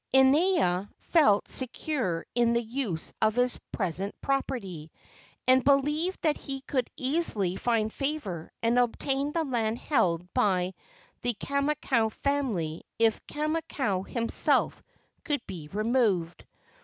Inaina felt secure in the use of his present property, and believed that he could easily find favor and obtain the land held by the Kamakau family if Kama¬ kau himself could be removed.